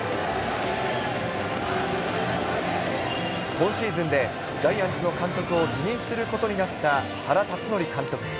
今シーズンで、ジャイアンツの監督を辞任することになった原辰徳監督。